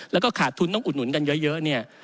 แล้วก็ขาดทุนต้องอุดหนุนกันเยอะเนี่ย